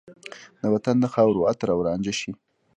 د وطن د خاورو عطر او رانجه شي